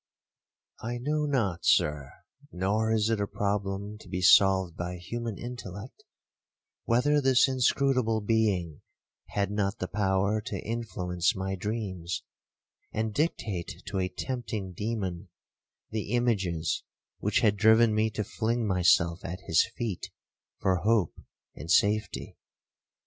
'I know not, Sir, nor is it a problem to be solved by human intellect, whether this inscrutable being had not the power to influence my dreams, and dictate to a tempting demon the images which had driven me to fling myself at his feet for hope and safety.